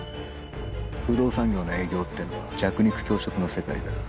不動産業の営業ってのは弱肉強食の世界だ。